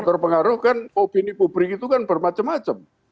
terpengaruh kan opini publik itu kan bermacam macam